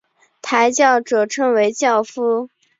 抬轿者称为轿夫。